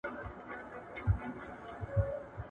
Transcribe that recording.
په کار کي شرم نسته، په خواري کي شرم سته.